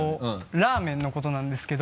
ラーメンの事なんですけど。